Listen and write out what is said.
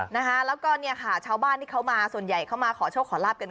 นะคะแล้วก็เนี่ยค่ะชาวบ้านที่เขามาส่วนใหญ่เข้ามาขอโชคขอลาบกัน